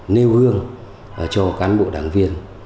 nêu hương cho cán bộ đảng viên